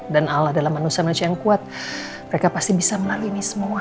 dan allah dalam manusia menuju yang kuat mereka pasti bisa melalui semua